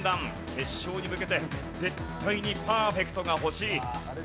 決勝に向けて絶対にパーフェクトが欲しい。